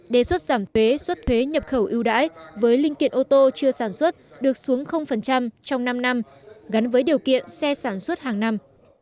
đề xuất giảm thuế xuất thuế nhập khẩu ưu đãi với linh kiện ô tô chưa sản xuất được xuống trong năm năm gắn với điều kiện xe sản xuất hàng năm